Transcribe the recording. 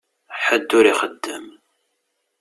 Ḥedd ur ixeddem.